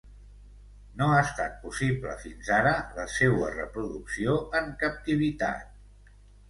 No ha estat possible fins ara la seua reproducció en captivitat.